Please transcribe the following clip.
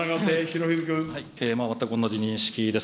全く同じ認識です。